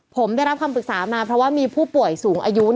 ผมได้รับคำปรึกษามาเพราะว่ามีผู้ป่วยสูงอายุ